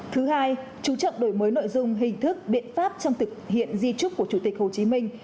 thứ hai chú trọng đổi mới nội dung hình thức biện pháp trong thực hiện di trúc của chủ tịch hồ chí minh